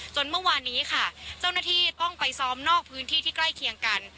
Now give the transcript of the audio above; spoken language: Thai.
เมื่อวานนี้ค่ะเจ้าหน้าที่ต้องไปซ้อมนอกพื้นที่ที่ใกล้เคียงกัน